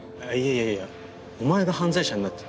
いやいやお前が犯罪者になってどうすんだよ。